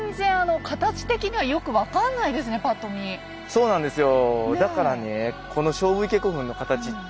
そうなんですよ。